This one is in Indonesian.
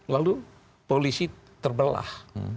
lalu polisi terbelah